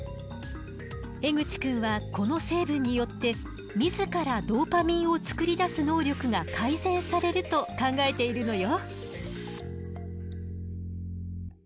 江口くんはこの成分によって自らドーパミンを作り出す能力が改善されると考えているのよ。